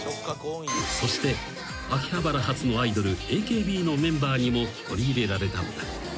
［そして秋葉原発のアイドルＡＫＢのメンバーにも取り入れられたのだ］